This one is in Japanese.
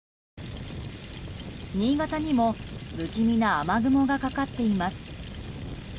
新潟にも不気味な雨雲がかかっています。